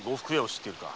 知っているか？